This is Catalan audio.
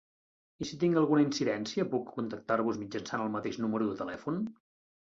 I si tinc alguna incidència puc contactar-vos mitjançant el mateix número de telèfon?